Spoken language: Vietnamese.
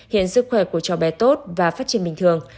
hiện sức khỏe của cháu bé tốt và phát triển bình thường